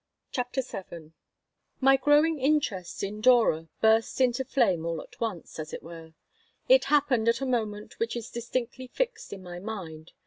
CHAPTER VII MY growing interest in Dora burst into flame all at once, as it were. It happened at a moment which is distinctly fixed in my mind.